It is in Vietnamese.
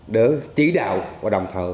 để chỉ đạo và đồng thờ